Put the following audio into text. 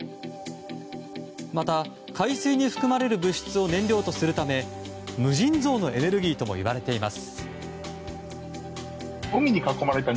また、海水に含まれる物質を燃料とするため無尽蔵のエネルギーともいわれています。